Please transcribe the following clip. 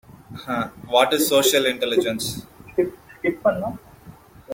What is social intelligence?